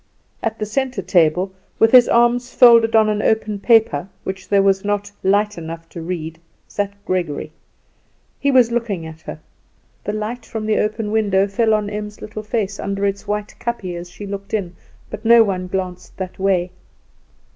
At the centre table, with his arms folded on an open paper, which there was not light enough to read, sat Gregory. He was looking at her. The light from the open window fell on Em's little face under its white kapje as she looked in, but no one glanced that way.